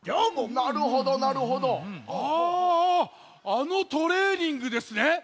あのトレーニングですね。